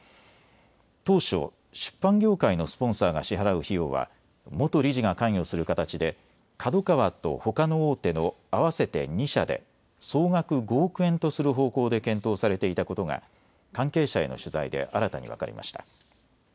当初、出版業界のスポンサーが支払う費用は元理事が関与する形でＫＡＤＯＫＡＷＡとほかの大手の合わせて２社で総額５億円とする方向で検討されていたことが関係者への取材で新たに分かりました。